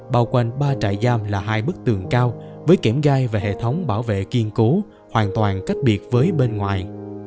bao quanh ba trại giam là hai bức tường cao với kẻm gai và hệ thống bảo vệ kiên cố hoàn toàn cách biệt với bên ngoài